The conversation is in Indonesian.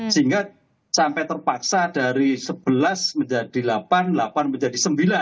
sehingga sampai terpaksa dari sebelas menjadi delapan delapan menjadi sembilan